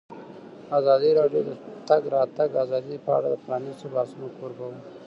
ازادي راډیو د د تګ راتګ ازادي په اړه د پرانیستو بحثونو کوربه وه.